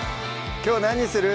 きょう何にする？